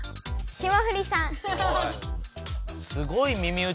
霜降りさん。